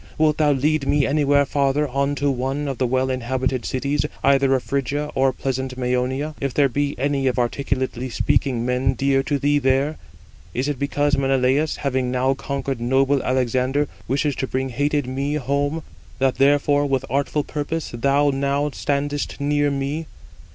Wilt thou lead me anywhere farther on to one of the well inhabited cities, either of Phrygia or pleasant Mæonia, if there be any of articulately speaking men dear to thee there? Is it because Menelaus, having now conquered noble Alexander, wishes to bring hated me home, that therefore with artful purpose thou now standest near me?